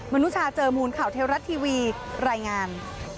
นุชาเจอมูลข่าวเทวรัฐทีวีรายงาน